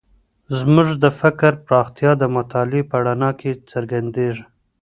زموږ د فکر پراختیا د مطالعې په رڼا کې څرګندېږي.